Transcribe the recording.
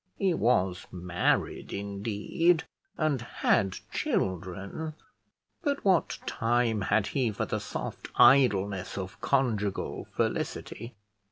He was married, indeed, and had children, but what time had he for the soft idleness of conjugal felicity?